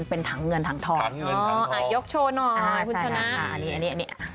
เป็นถังเงินถังทองยกโชว์หน่อยคุณชนะอันนี้อันนี้